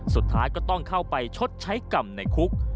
สุดท้ายก็ต้องเข้าไปชดใช้กรรมในคุก